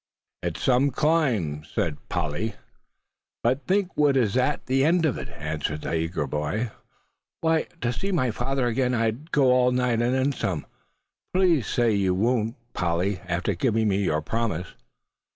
"HIT'S sum climb," said Polly, doubtfully. "But think what is at the end of it," answered the eager Bob. "Why, to see my father again, I'd go all night, and then some. Please don't say you won't, Polly, after giving me your promise."